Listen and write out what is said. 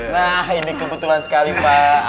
nah ini kebetulan sekali pak